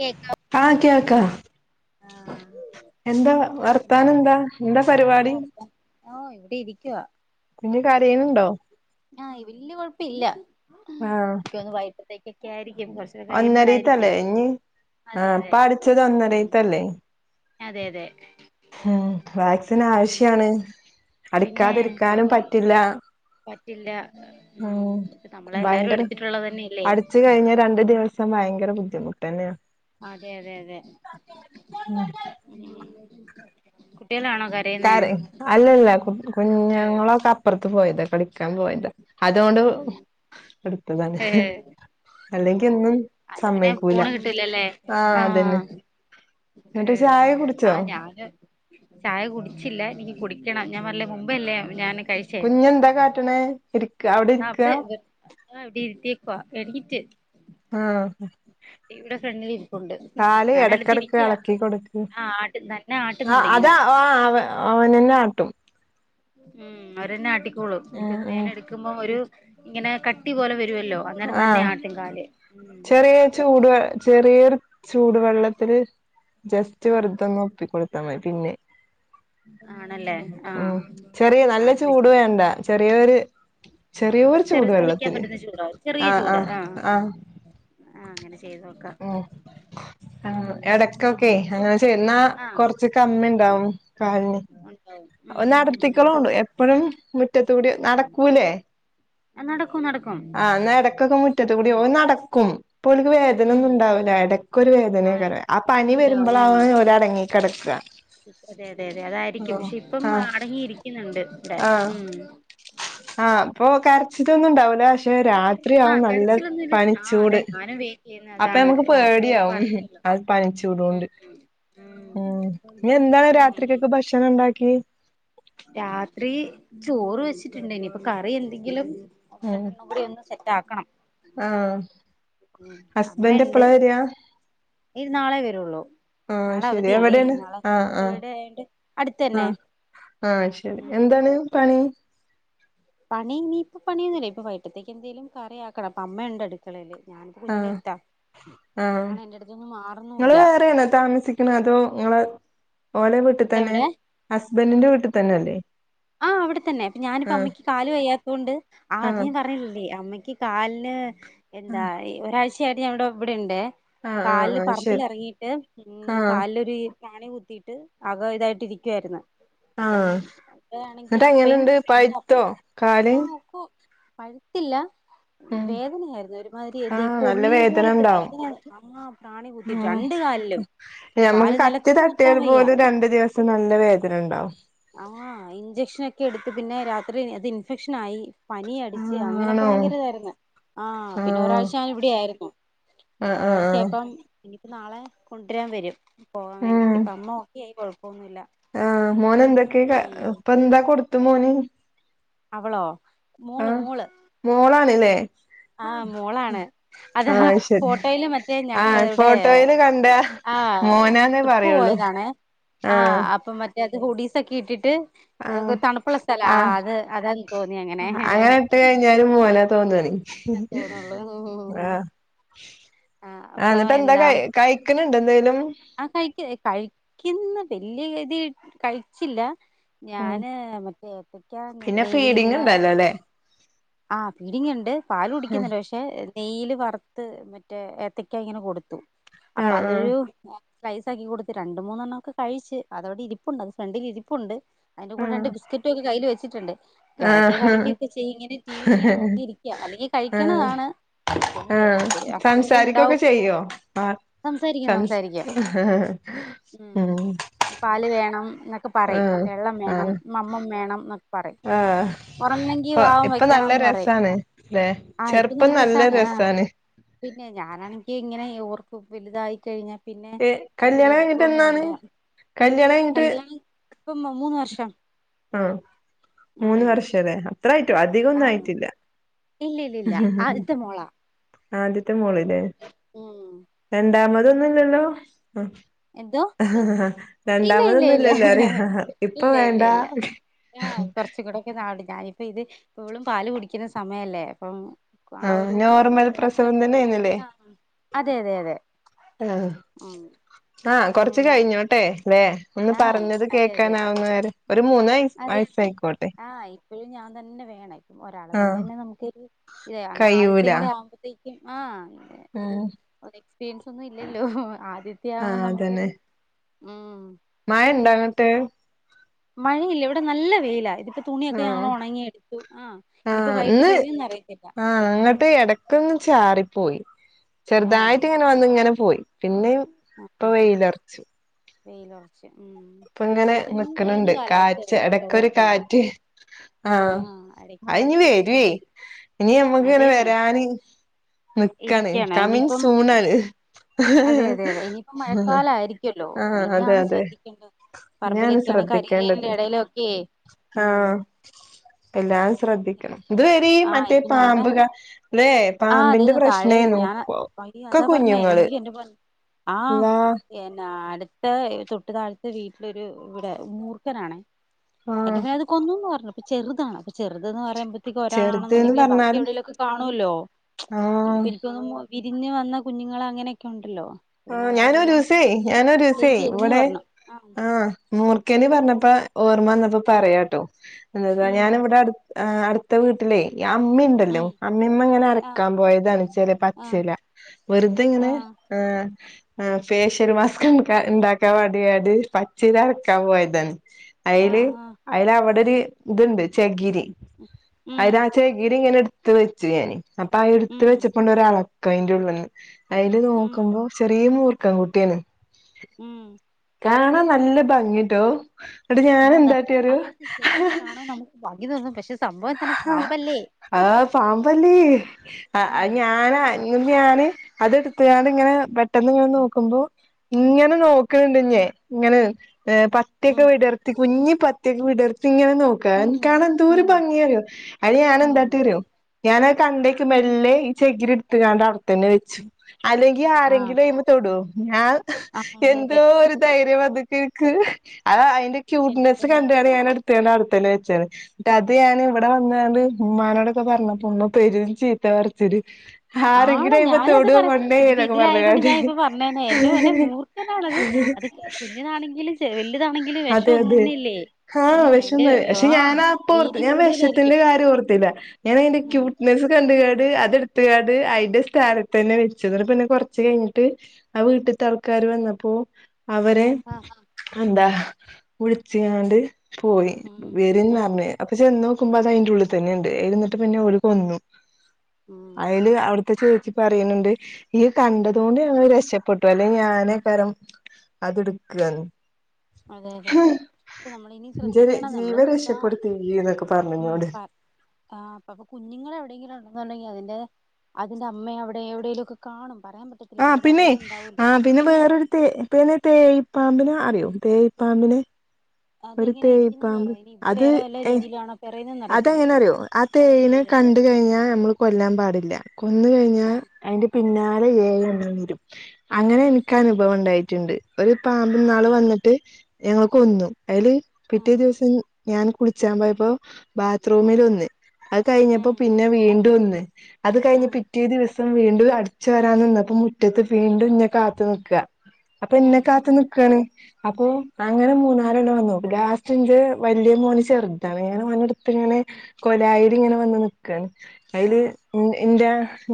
കേൾക്കാവോ [inaudible] ആ കേൾക്കാം എന്താ വർത്താന എന്നെടുക്ക ന്താ എന്താ പരിപാടി വർത്താനം ഓ ഇവിടെ ഇരിക്കുവാ കുഞ്ഞ് കരയണുണ്ടോ ആഹ് വല്യ കുഴപ്പില്ല ആഹ് ഇ ഒന്ന് വൈട്ട ത്തേക്ക് കരിക്കും കുറ [unintelligible] ഒന്നരീത്തല്ലേ ഞ്ഞ് അതെ ആഹ് അതെ പ്പടിച്ചത് ഉം ഒന്നരീത്തല്ലേ അതെ അതെ ഉം വാക്സിൻ ഉം ആവശ്യാണ് പിന്നെ അടിക്കാതിരിക്കാനും കൊടുക്കാൻ പറ്റില്ല പറ്റില്ല ഉം ഇപ്പ നമ്മളെല്ലാരും ഭയങ്കര എടുത്തിട്ടുള്ളത് തന്നെയല്ലേ അടിച്ച് കയിഞ്ഞ രണ്ട് ദിവസ സം ഭയങ്കര ബുദ്ധിമുട്ടല്ലേ അതെ അതെ അതെ ഉം കുട്ട്യേളാണോ കര കരയ് അല്ലല്ല കുട്ട് കുഞ്ഞങ്ങളൊക്കെ അപ്പർത്ത് പോയതാ കളിക്കാൻ പോയതാ അതോണ്ട് എട്ത്തതാണ് ഏഹ് ഉം അല്ലെ പിന്നെ സമ്മയിക്കൂല ഫോണ് കിട്ടൂലല്ലേ ആഹ് എന്നിട്ട് ചായ കുടിച്ചോ ആഹ് ഞാന് ചായ കുടിച്ചില്ല എനിക്ക് കുടിക്കണം ഞാൻ പറഞ്ഞ്ല്ലെ മുമ്പല്ലേ ഞാൻ കഴി കുഞ്ഞെന്താ കാട്ടണേ ഇരി ആഹ് അവളെ ഇവിടെ ഇരിത്തിയേകുവാ എണീറ്റ് ആഹ് ഇവിടെ ഫ്രണ്ടിലിരിപ്പുണ്ട് മ് കാല് ഞാനട്ത്തിരിക്ക്യ ആഹ് ആട്ട് ആഹ് ആട്ടുന്നുണ്ട് ഇങ്ങനെ അതാ ആഹ് അവ അവനെന്നെ ആട്ടും മ് അവരന്നെ ആട്ടിക്കോളും ഉം എനിക്കോന്നുന്നു ഉം അതിനെ എടുക്കുമ്പൊ ഒര് ഇങ്ങനെ കട്ടി പോലെ വരുവല്ലോ വന്നേരം തന്നെ ആട്ടും കാല് ഉം ചെറിയെ ചൂട് വെ ചെറിയൊരു ചൂട് വെള്ളത്തില് ജസ്റ്റ് ആ വെർതൊന്ന് ഒപ്പി കൊട്ത്താ മതി പിന്നെ ആണല്ലേ ആ ഓഹ് ചെറിയ ആ നല്ല അങ്ങനെ ചൂട് ചെയ്യാം വേണ്ട ചെറിയൊര് ചെറിയോര് ചെറു ചൂട് സഹിക്കാൻ വെള്ളത്തിൽ പറ്റുന്ന ആഹ് ആഹ് ആഹ് ആഹ് അങ്ങനെ ചെയ്തോ ആഹ് ആഹ് എടക്കൊക്കെ ഇപ്പം അങ്ങനെ ചെയ് ന്നാ ആഹ് കൊറച്ച് കമ്മിണ്ടാവും കാൽന് ഉണ്ടാവും ഉം ഉം ഉം ഉം ഉം ഒന്നട്ത്തിക്കൊളൂണ്ടു എപ്പഴും മുറ്റത്ത് കൂടി നടക്കൂലേ ആഹ് നടക്കും നടക്കും ആഹ് ന്നാ എടക്കൊക്കെ മുറ്റത്ത് കൂടി ഉം ഓൻ നടക്കും പ്പോൽക്ക് ഉം വേദനൊന്നുണ്ടാവൂല എടക്കൊരു ആഹ് വേദനെയ്ക്കാരം ആ പനി ഉണ്ടാവും വെര്മ്പളാ ആഹ് ഓലടങ്ങി കെടക്ക അതെ അതെ അതെ അതായിരിക്കും ആഹ് പക്ഷെ ഇപ്പം ആഹ് അടങ്ങിയിരിക്ക്ന്ന്ണ്ട് ആഹ് ആഹ് പ്പൊ കരച്ചിലൊന്നും ണ്ടാവൂല ക്ഷെ ആഹ് രാത്രിയാവും നല്ല കരച്ചിലൊന്നുല്ല ആഹ് അതെ പനിച്ചൂട് ഞാനും വെയിറ്റ് ചെയ്യുന്ന അപ്പൊ അതാണ് ഞമ്മക്ക് രാത്രിയാവുമ്പോ പേടിയാവും അറിയില്ലല്ലോ ആ പനിച്ചൂടോണ്ട് ഉം മ് ഉം ഇന്നെന്താണ് രാത്രിക്കൊക്കെ ഭക്ഷണം ണ്ടാക്കി രാത്രീ ചോറ് വെച്ചിട്ട്ണ്ട് ഇനിപ്പൊ കറി എന്തെങ്കിലും ഒന്ന് ഉം രണ്ടെണ്ണം കൂടിയൊന്ന് സെറ്റാക്കണം ആഹ് ഹസ്ബന്റെപ്പളാ വെര്വ ഇനി നാളെ വെരുള്ളൂ നാളെ അവധിയല്ലേ എവിടേണ് നാളപ്പൊ ആഹ് ആഹ് ഹോളീഡേ ആയോണ്ട് ആഹ് അടുത്തെന്നെ ആഹ് ശരി എന്താണ് പണി പണി ഇനിയിപ്പൊ പണിയൊന്നുല്ല ഇപ്പോ വൈകിട്ടെത്തേക്കെന്തേലും കറിയാക്കണം അപ്പൊ അമ്മ ഇണ്ടട് ക്കളേല് ഞാനിപ്പോ ആഹ് കുഞ്ഞിന്റെടുത്താ അവളാണെ എന്റടുത്തുന്ന് മാറുന്നൂല്ല [unintelligible] താമസി ക്ക്ണെതോ ങ്ങളെ ഓലെ വീട്ട് തന്നെ എവിടെ ഹസ്ബന്റിന്റെ വീട്ട് തന്നല്ലേ ആഹ് അവിടെ തന്നെ അപ്പൊ ആഹ് ആഹ് അവിടെത്തന്നെ ഞാനിപ്പോ അമ്മയ്ക്ക് കാല് വയ്യാത്തോണ്ട് ആതു ആഹ് ഞാൻ പറഞ്ഞില്ലല്ലോ അമ്മയ്ക്ക് കാൽന് എന്താ ആഹ് ഈ ഒരാഴ്ചയായിട്ട് ഞാനിവിടെ ഇവിടെണ്ടേ ആഹ് ആഹ് കാൽല് ആഹ് ശരി പറമ്പിലെറങ്ങിട്ട് മ് ആഹ് കാലിലൊര് പ്രാണി കുത്തീട്ട് ആകെ ഇതായിട്ട് ഇരിക്കുവായിരുന്ന് അപ്പം ആഹ് ടെയാണെങ്കി എന്നിട്ട് അപ്പയും എങ്ങനെണ്ട് എന്റെ പഴുത്തോ അപ്പാ കാല് ആഹ് [unintelligible] പഴ്ത്തില്ലാ ഉം വേദനായിരുന്നു ഒരുമാതിരി എന്തേ ആഹ് നല്ല പൊള്ളി വേദന പോലത്തെ ഉണ്ടാവും വേദന അമ്മ പ്രാണി കുത്തിട്ടാ ഉം രണ്ട് കാലിലും ഞമ്മക്ക് കാല് കത്തി നിലത്ത് കുത്താൻ തട്ടിയാല് വയ്യ പോലും രണ്ട് ദിവസം നല്ലാ വേദന ഇണ്ടാവും ആഹാ ഇഞ്ചെക്ഷനൊക്കെ എട്ത്ത് പിന്നെ രാത്രി അത് ഇൻഫെക്ഷൻ ആയി പനി അടിച്ച് ആഹ് അങ്ങനെയൊക്കെ ആണോ ബയങ്കര ഇതായിരുന്നു ആഹാ പിന്നെ ആഹ് ഒരാഴ്ച ഇവടെ ആരുന്നു അപ്പൊ ആഹ് ആഹ് ആഹ് ഒരാഴ്ചയപ്പം നാളെ കൊണ്ടരാൻ വേരും പോകാൻ ഉം വേണ്ടിട്ട് ഇപ്പം അമ്മാ ഓക്ക്യായായി കൊഴപ്പോന്നു ഇല്ല ആഹ് മോന് എന്തൊക്കെ കാ ഇപ്പേ എന്താ കൊട്ത്ത് മോന് അവളോ മോള് മോള് മോളാണ് ല്ലേ ആഹ് മോളാണ് അതാ ആഹ് ശരി ഫോട്ടോല് മറ്റേ ഞങ്ങള് ആഹ് ഇവടെ ഫോട്ടോയില് കണ്ട ആഹാ മോനാന്നേ ട്രിപ്പ് പറയുള്ളൂ പോയതാണ് ആഹ് അപ്പൊ മറ്റേ ഇത് ഗൂടീസോക്ക്യാ ഇട്ടിട്ട് ആഹ് അത്പ്പൊ തണ്പ്പൊള്ള സ്ഥലം ആഹ് അത് അതാന്ന് തോന്നി അങ്ങനെ ഇട്ട് കഴിഞ്ഞാല് മോനാ തോന്നാണ് തോന്നുള്ളൂ ആഹ് ആ ആഹാ അപ്പൊ എന്നിട്ട് എന്താ ക കയ്ക്കണ് ഇണ്ടൊ എന്തേലും ആഹ് കയ്ക്കെ കയ്ക്ക്യാന്ന വല്ല്യാ ഇതിൽ കയ്ച്ചില്ലാ ഉം ഞാന് മറ്റേ ഏത്തക്ക്യാ പിന്നെ നെയ്യില് ഫീഡിങ് ഇങ്ങനെ ഉണ്ടല്ലോ അല്ലെ ആഹ് ഫിടിങ്ങ് ഇണ്ട് പാല് കുടിക്ക്ന്നൊണ്ട് പശ് ശേ നെയ്യില് വറ്ത്ത് മറ്റേ ഏത്തക്കാ ഇങ്ങനെ കൊടുത്തു അപ്പൊ ആഹ് ആഹ് അതൊരു സ്ലൈസ് ആക്കി കൊടുത്ത് രണ്ട് മൂന്നെണ്ണം ഒക്കെ കഴിച്ച് അത് അവടെ ഇപ്പുണ്ട് അത് ഫ്രണ്ടില് ഇരിപ്പുണ്ട് അയിന്റെ കൂടെ രണ്ട് ആഹ് ബിസ്ക്കറ്റും ഒക്കെ കയ്ല് വെച്ചിട്ടോണ്ട് എടയ്ക്ക് ആഹ് കടിക്ക്യകൊക്കെ ചെയ്യം ഇങ്ങനെ ടിവില് ഇങ്ങനെ നോക്കിയിരിക്ക്യാ അല്ലെങ്കി ആഹ് കയിക്ക്യാണതാണ് ആഹ് സംസാരിക്ക്യാക്കെ ചെയ്യോ ആഹ് സംസാരിക്കും സംസ് സംസാരിക്കും ഉം പാല് വേണം എന്നൊക്കെ പറയും ആഹ് വെള്ളം വേണം ആഹ് മമ്മം വേണം എന്നാ പറയും ആഹ് ഒറങ്ങെങ്കി ഇപ്പൊ വവാ വേ ഇപ്പൊ നല്ല ക്യാണംന്ന് പറയും രസാണ് ല്ലെ ആഹാ ഇപ്പൊ ചെറുപ്പം നല്ല രേസാണ് ആഹ് രസാണ് പിന്നെ ഞാനാണെങ്കി ഇങ്ങനെ ഓർക്കും വല്തായി കഴിഞ്ഞാ പിന്നെ ഏ ഇവരെ എടുക്കും വേണ്ട കല്യാണ ക കല്യാണം ഇപ്പം മു മൂന്ന് വർഷം ആഹാ മൂന്ന് വർഷം അല്ലേ അത്രായിട്ടും അധികം ഒന്നും ആഹ് ആയിട്ടില്ലാ ഇല്ല ഇല്ല ഇല്ല ആദ്യത്തെ മോളാ ആദ്യത്തെ മോള് ഇല്ലേ ഉം രണ്ടാമതൊന്നും ഇല്ല അല്ലോ എന്തോ ആഹ് ആഹ് രണ്ടാമതൊന്നും ഇല്ല അല്ലോ അല്ലെ ഇപ്പൊ ഇല്ല ഇല്ല വേണ്ടാ ഇല്ല ആഹ് കൊറച്ചും കൂടെക്കെന്ന് അവണ്ട് ഞാനിപ്പ് ഇത് ഓളും പാല് കുടിക്കുന്നാ സമയല്ലേ അപ്പം ആ ആഹ് ഒരു നോർമ്മൽ മോക്ക പ്രസവം തന്നെ അയിനുല്ലെ ആഹ് അതെ അതെ അതെ ഉം ആഹ് കൊറച്ച് കഴിഞ്ഞോട്ടെ ല്ലേ ഒന്ന് ആഹ് പറഞ്ഞത് കേക്കാനാവ്ന്ന് വരെ ഒര് മൂന്നാ അതെ അതെ ആഹാ ഇപ്പോഴും ഞാൻ തന്നെ വേണം ഇപ്പം ഒരാളെ ആ കൊണ്ട് തന്നെ നമ്മക്ക് ഒരു ഇതെ ആഹ് ആദ്യത്തെ കയ്യൂല കൂടെ ആവ്മ്പോത്തേക്കും ആഹ് ഒര് ഉം എക്സ്പീരിയൻസ് ഒന്നും ഇല്ലല്ലോ ആദ്യത്തെ ആ ആവ്മ്പോ നമ്മക്കൊരു ഉം മയണ്ടോ അങ്ങട്ട് മഴയില്ല ഇവിൾടെ നല്ല വെയിലാ ഇത് തുണിയൊക്കെ ആ ഞങ്ങള് ഒണങ്ങി എടുത്തു ആഹ് ആ ഇനി ഇപ്പം വൈയിട്ട് ഇന്ന് പെയ്യെന്ന് അറിയത്തില്ലാ ആഹ് ഇങ്ങട്ട് എടക്കോന്ന് ചാറിപ്പോയി ആഹ് ചെറ്തായിട്ട് ഇ ങ്ങനെ വന്ന് ഇങ്ങനെ പോയി പിന്നെയും ഇപ്പൊ വെയ്ലെറച്ച് വെയിലോറച്ച് ഉം അത് ഇങ്ങനെ ഇപ്പെ ഇന്ന് നിക്കണ് തെളിഞ്ഞ ണ്ട് കാറ്റ് കാലാവസ്ഥാരുന്നു ആട്ടോ എടക്കൊരു കൊഴപ്പില്ല കാറ്റ് ആഹ് മഴ ഇഞ്ഞീം വരുവേ ഉം ഇനി നമ്മക്ക് ഇങ്ങനെ അതേന്നെ വരാന് നിക്കാണ് ഇരിക്കാണ് കമീൻ ഇനിയിപ്പം സൂണ് ആണ് ഉം അതെ അതെ അതെ ഇനിയിപ്പോ മഴക്കാലം ആയിരിക്കല്ലോ അതെ ഇനിയാണ് അതെ ശ്രദ്ധിക്കേണ്ടത്. ഇനിയാണ് പറമ്പിലൊക്കെയാണേ ശ്രദ്ധിക്കേണ്ടത് കരയിലേടെ ഇടയിലൊക്കെയെ ഉം ആഹ് എല്ലാം ശ്രദ്ധിക്കണം ഇതുവഴി മറ്റേ പാമ്പുക അല്ലെ ആഹ് അതേന്നാ താഴെ ഞാ പയ്യ അതാ പറഞ്ഞേ ഈ കുഞ്ഞുങ്ങള് എന്നന്റെ പറഞ്ഞ ആഹ് അള്ളാ എന്നാ അടുത്ത തൊട്ടു താഴ്ത്തെ വീട്ടിലൊരു ഇവിടെ മൂർഖനാണേ ആഹ് ഏട്ടനത് കൊന്നുന്ന് പറഞ്ഞു പ്പോ ചെറുതാണ് അപ്പ ചെറുത് എന്ന് പറയുമ്പോ തേക്ക് ചെറുത്ന്ന് ഒരാളാണെന്നുണ്ടെങ്കിൽ ബാക്കി പറഞ്ഞാലും എവിടെലൊക്കെ കാണുല്ലോ ഇ ആഹ് എനിക്കൊന്നു വിരിഞ്ഞ വന്ന കുഞ്ഞുങ്ങളഅങ്ങനെയൊക്കെ ഒണ്ടല്ലോ ആ ഞാനൊരൂസേ ഞാനൊരൂസേ ചെയ്തെന്ന് ഇവിടെ പറഞ്ഞു ആ ആഹ് മൂർഖന് പറഞ്ഞപ്പോ ഓർമ്മന്നപ്പോ ഉം പറയാട്ടോ എ ഉം ഞാന ഇവിടെ അടു ത്തെ വീട്ടിലേ അമ്മിണ്ടല്ലോ ഉം അമ്മിമേ ഇങ്ങനെ ആഹ് അരക്കാൻ പോയതാണ് ചില ആഹ് പച്ചില വെറുതെങ്ങനെ ആഹ് ആ ഫേഷ്യൽ മാസ്ക് ഉണ്ടാക്കാൻ വേണ്ടിയാണ്ട് പച്ചില അരക്കാൻ പോയതണ് അയല് ആഹ് ആഹ് അയല് അവിടെ ഒരു ഇതുണ്ട് ചെഗിരി ഉം അതി ചേകിരി ഇങ്ങനെ എടുത്ത് വെച്ചുഞാന് അപ്പൊ ആ എടുത്ത് ഉം വെച്ചപ്പോണ്ട് ഒരളക്ക അതിന്റെ ഉള്ളില് അതില് ഉം നോക്കുമ്പോ ചെറിയ മൂർക്കൻ കുട്ടിയണ് ഉം കാണാൻ നല്ല ഭംഗിട്ടോ എന്നിട്ട് ഞാൻ ആതെ എന്താട്ടി അറിയോ അങ്ങനത്തെ ഈ ആ ചെറുതിനെ കാണുമ്പോ നമുക്ക് ഭംഗി തോന്നും പക്ഷെ സംഭവം എന്താണ് പാമ്പല്ലേ ആ പാമ്പല്ലേ അ അ ഉം ഞാനാ ന്നട്ട് ഞാന് അത് എടുത്തണ്ട് ഇങ്ങനെ പെ പെട്ടെന്ന് ഞാൻ നോക്കുമ്പോ ഇങ്ങനെ നോക്കണണ്ട് ഞേ ഇങ്ങനെ പത്തിയൊക്കെ ഉം വീടർ ത്തി കുഞ്ഞി പത്തിയൊക്കെ വിടർത്തി ഇങ്ങനെ നോക്കി ഉം കാണാൻ എന്തോര ഉം ഭംഗിയ അറിയോ അയ്നെ ഞാൻ ഉം എന്താട്ടി അറിയോ ഞാനാകണ്ടേക്ക് മെല്ലെ ഈ ചെകിരി എടുത്ത് ഞാ അവിടെത്ത തന്നെ വെച്ചു അല്ലെങ്കിൽ ആരെങ്കി ആഹ് പിന്നെ തോടോ ഞാൻ ആഹ് അതെ അതെ എന്തോ ഒരു ധൈര്യം വന്നുൻക്ക് അ അതിന്റെ പക്ഷെ എന്റെ ക്യുട്നെസ് പൊന്നെ കണ്ടതാണ് ഞാൻ എടുത്ത അടുത്തന്നെ വെച്ചാണ് തത് ഞാന് ഇവിടെ വന്നണ് ഉമ്മാനോടൊക്കെ പറഞ്ഞപ്പ ഉമ്മ പെരും ചീത്ത പറച്ചില് ആണ് ആരെങ്കിലും അയമേ തൊടൊ പെണേ എന്നൊക്കെ പറഞ്ഞ്കാ പ്പൊ പറഞ്ഞേനെ എന്റെെ പൊന്നേ മൂർക്കനാണത് അത് കുഞ്ഞിനാണെങ്കിലും വലുതാണെങ്കിലും വിഷ അതെ ട്ടും അതെ ഒന്ന്നന്നെല്ലേ ആഹ് വിഷംന്ന പക്ഷെ ഞാനാ അപ്പ ഓർ വീര്യം ഞാൻ വിഷത്തിന്റെ കൂടുതലായിരിക്കും കാര്യം ഓർത്തില്ല ഞാനതിന്റെ ഉം ക്യുറ്റ് നസ് കണ്ട്ങ്ങാണ്ട് അത് എടുത്ത്ങ്ങാണ്ട് അയിന്റെ സ്ഥാനത്ത് തന്നെ വെച്ചു അന്നേരം പിന്നെ കൊറച്ച് കഴി ട്ട് ആ വീട്ടത്തെ ആൾക്കാര് വന്നപ്പോ അവരെ ആഹ് എന്താ വിളിചിങ്ങാണ്ട് പോയി ഉം വരുന്ന് ഉം പറഞ്ഞ് അപ്പൊ ചെന്ന് നോക്കുമ്പോ അത് അതിന്റെഉള്ളിൽ തന്നെ ഇണ്ട് എന്നിട്ട് പിന്നെ ഓര് കൊന്നു ഉം അയില് അവിടുത്തെ ചേച്ചി പറയുന്നുണ്ട് ഈ കണ്ട തുകൊണ്ട് ഞാങ്ങള് രക്ഷപ്പെട്ടു അല്ലെ ഞാനെയ്ക്കാരം അത് എടുക്കന്ന് അതെ അതെ അതെ പ്പ നമ്മളിനി ഇന്റെ ശ്രദ്ധിക്കണം നമ്മള് ജീവൻ ഇപ്പ ആ രക്ഷപ്പെടുത്തി ഇയ്യ് ന്നൊക്കെ പറഞ്ഞു ഉം ഇന്നോട് പറ ആഹ് അപ്പ അപ്പൊ കുഞ്ഞുങ്ങ എടെയെങ്കിലും ഒണ്ടേന്നുണ്ടെങ്കിൽ അതിന്റെ അതിന്റെ അമ്മയവിടെ എവിടെലും ഒക്കെ കാണും പറയാൻ പറ്റത്തില്ല ആ അതിന്റെ പിന്നെ തള്ളയും ഉണ്ടാവല്ലോ ആ പിന്നെ വേറൊരു തേ പിന്നെ തേയിപ്പാമ്പിനെ അറിയോ തേയിപ്പാമ്പിനെ ഒരു അതെങ്ങനെ ഇരിക്കുന്നെന്ന് പറ തേയിപ്പാമ്പ് ഇനി ഇവിടെ അത് വേറെ വല്ല ഏ രീതിയിലാണോ പറയുന്നതെന്ന് അതെങ്ങനെ അറിയത്തില്ലല്ലോ അറിയോ ആ പലടെത്തും പല തേയിനെ രീതിയില കണ്ട് കയിഞ്ഞ ഞമ്മള് കൊല്ലാൻ പാടില്ല കൊന്ന്കഴിഞ്ഞ ആഹ് അയിന്റെ പിന്നാലെ ഏഴെണ്ണം വരും അങ്ങനെ എനിക്ക് അനുഭവം ഉണ്ടായിട്ടുണ്ട്. ഒരു പാമ്പ് ഇന്നാള് ആഹ് വന്നിട്ട് ഞങ്ങള് കൊന്നു. അയില് പിറ്റേ ആഹ് ദിവസം ഞാൻ കുളിച്ചാൻ പോയപ്പോ ഉം ബാത്റൂമില് ഒന്ന് അഅ് കഴിഞ്ഞപ്പോ ഉം പിന്നെ വീണ്ടും ഒന്ന് അത് കഴിഞ്ഞ ഉം പി റ്റേ ദിവസം വീണ്ടും അട്ച്ച് വാരാൻ നിന്നപ്പം മുറ്റത്ത് വീണ്ടും ഇന്നെ കാത്ത് നിക്കാ അപ്പ ഉം ഇന്നെ ഉം കാത്ത് ഉം നിക്കാണ് അപ്പൊ അങ്ങനെ മൂന്നാലണ്ണം വന്നു. ലാസ്റ്റ് ഇന്റെ വല്ല്യ മോന് ചെർതാണ് ഞാന് ഓനെട് ത്ത് ഇങ്ങനെ ഉം കൊലായില് ഇങ്ങനെ വന്ന് നിക്കാണ് അയില് ആഹ് ഇന്റ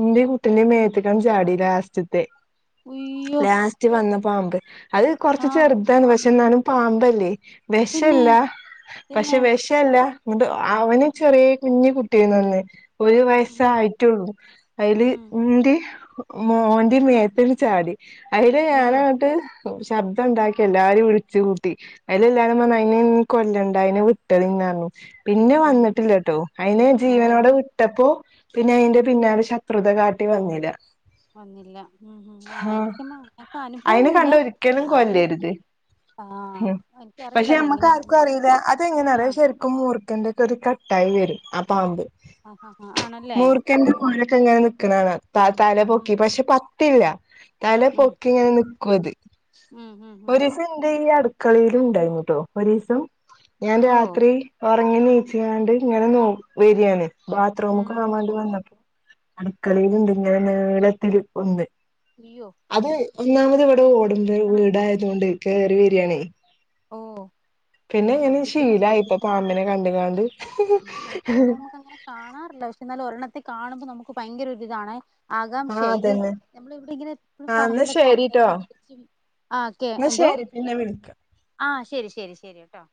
ഇന്റിം കുട്ടിന്റിം മേത്ത്ക്കാണ്ട് ചാടി ലാസ്റ്റ്ത്തെ ഉയ്യോ ലാ സ്റ്റ് വന്ന പാമ്പ് അഅ് കൊർച്ച് ആഹ് ചെറ്താണ് പക്ഷെ ഇന്നാലും പാമ്പല്ലേ പിന്നെ വെശല്ല പിന്നെ പക്ഷെ വെശ ക്കല്ല ഇന്നട്ട് അവന് ചെറീ കുഞ്ഞ് കുട്ടിയേനി അന്ന് ഒരു ഉം ഉം ഉം വയസ്സായിട്ടുള്ളൂ അയില് ഉം ഇന്റെ മോന്റെ മേത്ത്ട് ചാടി അയില് അയ്യോ ഞാനങ്ങട്ട് ശബ്ദണ്ടാക്കി എല്ലാരിം വിളിച്ചു കൂട്ടി അയില് എല്ലാരും വന്ന് അയിനെഞ്ഞ് കൊല്ലണ്ട അയി ട്ടതിനാനോ പിന്നെ ഉം വന്നിട്ടില്ലട്ടോ അയിനെ ഓഹ് ജീവനോടെ വി ട്ടപ്പോ പിന്നെ അയിന്റെ പിന്നലെ ശത്രുത കാട്ടി വന്നില. വന്നില്ല ഉം ഉം ആഹ് എനിക്ക്മാഎനിക്ക് അനുഭവൊന്നുല്ല എന്നാലും ആഹ് എനിക്കറിയില്ല പഷെ അതെങ്ങനെയാ അമ്മക്കാർക്കു കമ്പനി അറീല അതെങ്ങനാ അറിയൊ ആഹ് ശ രിക്കും മൂർക്കന്റെക്കൊരു കട്ടായി വരും ആ പാമ്പ് ആഹ് ആഹ് ആഹ് ആണല്ലേ ക്കന്റെ പോലൊക്കെ ഇങ്ങനെ നിക്ക്‌ണാണ തല പൊക്കി ഉം പഷെ പത്തില്ല തല ഉം പൊക്കിങ്ങനെ ഉം നിക്കുത് ഉം ഉം ഉം ഒര് പ്പന്റീ ഈ അട്ക്കളീലും ഇണ്ടായിനുട്ടോ ഒരീസം ഞാൻ രാ ഓഹ് ത്രി ഒർങ്ങി നീച്ചാണ്ട് ഇങ്ങനെ നോ വരാണ് ഉം ബാത്റൂമ്ക്ക്‌ പോവാം മാണ്ടി വന്നപ്പോ അട്ക്കളീല്ണ്ട് ഇങ്ങനെ നീളത്തില് ഒന്ന് യ്യോ അത് ഒന്നാമത് ഇവിടെ ഓടുന്റെ വീടായതുകൊണ്ട് കേറി വ രാണെ ഓഹ് പിന്നെങ്ങനെ ശ്രദ്ധിക്കണം ശീലായി ശ്രദ്ധിക്കണം ഇങ്ങനെ കണ്ട്കാണ്ട് ഉം ആ, ഇവിടെ നമുക്ക് അങ്ങനെ കാണാറില്ല പഷെ ഇന്നാലും ഒരെണ്ണത്തെ കാണുമ്പോ നമുക്ക് ഭയങ്കര ഒരിതാണ് ആഹ് ആകാംക്ഷയ ഇത് അതന്നെ നമ്മളെവിടെങ്ങനെ പ്പഴും ആഹ് എന്നാ പറമ്പിലൊക്കെതിരിച്ചും ഇന്ന ശരി പിന്നെ വിളിക്ക ആഹ് ശരി ശരി ശരിട്ടോ